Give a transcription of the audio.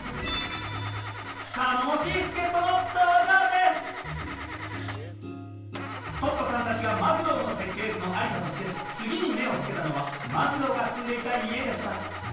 はぁ「Ｃｌｏｓｅｔｏｙｏｕ」トットさんたちがマズローの設計図の在りかとして次に目をつけたのはマズローが住んでいた家でした。